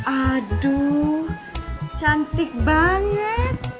aduh cantik banget